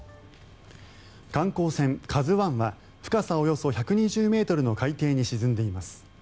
観光船「ＫＡＺＵ１」は深さおよそ１２０ｍの海底に沈んでいます。